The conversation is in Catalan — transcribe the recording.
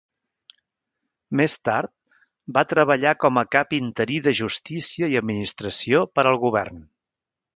Més tard, va treballar com a cap interí de Justícia i Administració per al govern.